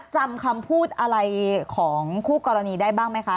จำคำพูดอะไรของคู่กรณีได้บ้างไหมคะ